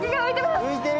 浮いてる！